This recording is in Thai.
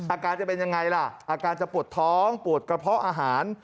อาการจะเป็นยังไงล่ะอาการจะปวดท้องปวดกระเพาะอาหาร